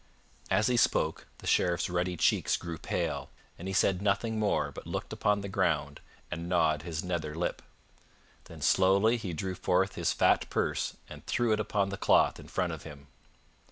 As he spoke the Sheriff's ruddy cheeks grew pale, and he said nothing more but looked upon the ground and gnawed his nether lip. Then slowly he drew forth his fat purse and threw it upon the cloth in front of him.